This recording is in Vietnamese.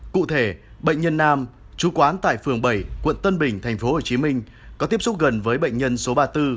cụ thể bệnh nhân nam chú quán tại phường bảy quận tân bình tp hcm có tiếp xúc gần với bệnh nhân số ba mươi bốn